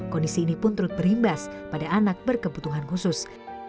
kondisi ini pun turut berimbas pada anak berkebutuhan khusus